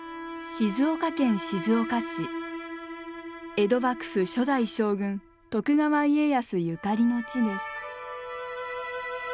江戸幕府初代将軍徳川家康ゆかりの地です。